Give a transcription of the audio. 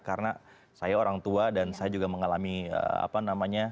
karena saya orang tua dan saya juga mengalami apa namanya